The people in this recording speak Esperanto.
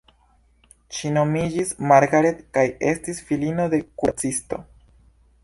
Ŝi nomiĝis Margaret kaj estis filino de kuracisto.